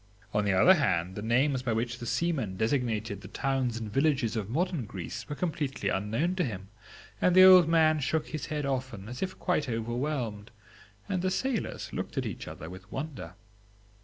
On the other hand, the names by which the seamen designated the towns and villages of modern Greece were completely unknown to him; and the old man shook his head often, as if quite overwhelmed, and the sailors looked at each other with wonder.